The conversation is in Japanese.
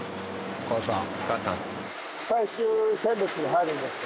お母さん。